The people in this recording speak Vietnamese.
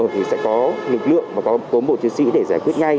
thì sẽ có lực lượng và có một bộ trí sĩ để giải quyết ngay